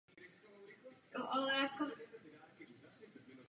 Budeme veškeré fondy registrovat a povolovat.